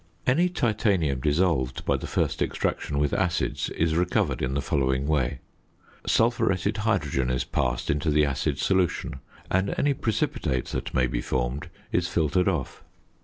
Any titanium dissolved by the first extraction with acids is recovered in the following way: Sulphuretted hydrogen is passed into the acid solution, and any precipitate that may be formed is filtered off.